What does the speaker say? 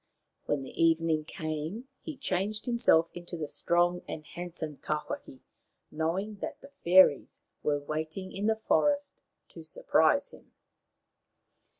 When the evening came he changed himself into the strong and handsome Tawhaki, knowing that the fairies were waiting in the forest to surprise him.